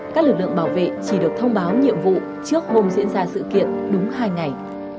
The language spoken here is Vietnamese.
các lực lượng bảo vệ chỉ được thông báo nhiệm vụ trước hôm diễn ra sự kiện đúng hai ngày